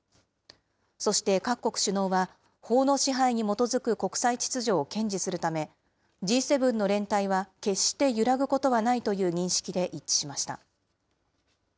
そして各国首脳は、法の支配に基づく国際秩序を堅持するため、Ｇ７の連帯は決して揺らぐことはないという認識で一致しました。